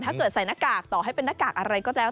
ใส่หน้ากากต่อให้เป็นหน้ากากอะไรก็แล้ว